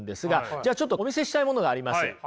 じゃあちょっとお見せしたいものがあります。